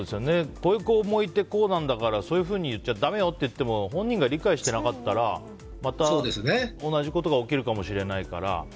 こういう子もいてこうなんだからそう言っちゃだめよって言っても本人が理解してなかったらまた同じことが起きるかもしれないから。